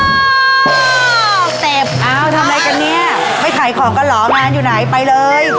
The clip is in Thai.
เจ็บอ้าวทำอะไรกันเนี่ยไม่ขายของกันเหรองานอยู่ไหนไปเลย